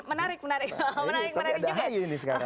menarik menarik menarik